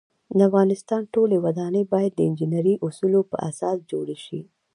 د افغانستان ټولی ودانۍ باید د انجنيري اوصولو په اساس جوړې شی